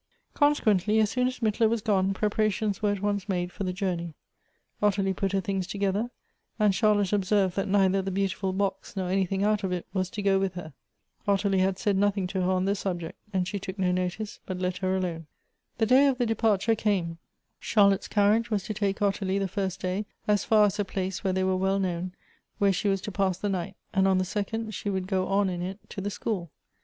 Consequently as soon as Mittler was gone, preparations were at once made for the journey. Ottilie put her things together; and Charlotte observed that neither the beau tiful box, nor anything out of it, was to go with her. Ottilia had said nothing to her on the subject ; and she took no notice, but let her alone. The day of the depart ure came; Charlotte's carriage was to take Ottilie the lirst day as far as a place where they were well known, where she was to pass the night, and on the second she would go on in it to the school.